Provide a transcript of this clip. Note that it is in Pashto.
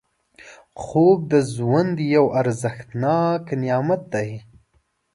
خوب د ژوند یو ارزښتناک نعمت دی